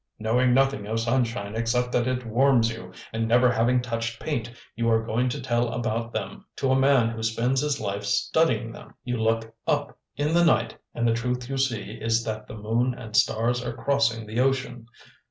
Knowing nothing of sunshine except that it warms you, and never having touched paint, you are going to tell about them to a man who spends his life studying them! You look up in the night and the truth you see is that the moon and stars are crossing the ocean.